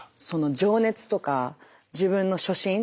その情熱とか自分の初心。